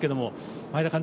前田監督